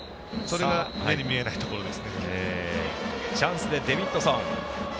それが目に見えないところです。